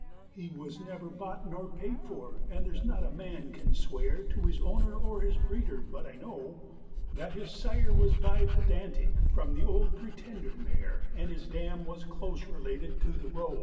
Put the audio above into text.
He was never bought nor paid for, and there's not a man can swear To his owner or his breeder, but I know, That his sire was by Pedantic from the Old Pretender mare And his dam was close related to The Roe.